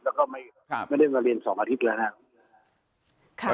แล้วก็ไม่ได้มาเรียน๒อาทิตย์แล้วนะครับ